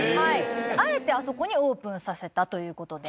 あえてあそこにオープンさせたという事で。